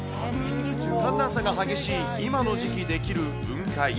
寒暖差が激しい今の時期出来る雲海。